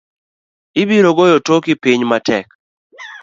Ibiro goyo toki piny matek.